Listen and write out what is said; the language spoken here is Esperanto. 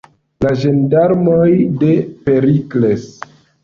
La ĝendarmoj de Perikles!